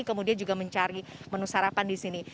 kemudian juga mencari menu sarapan di sini